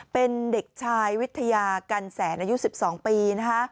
เป็นเด็กชายวิทยากันแสนอายุ๑๒ปี